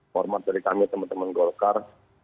hormat dari kami teman teman golkar